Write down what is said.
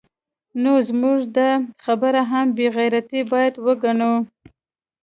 نو زموږ دا خبره هم بې غیرتي باید وګڼو